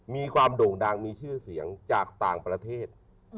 โด่งดังมีชื่อเสียงจากต่างประเทศ